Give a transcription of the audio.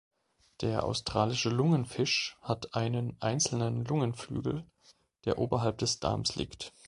Der Australische Lungenfisch hat einen einzelnen Lungenflügel, der oberhalb des Darms liegt.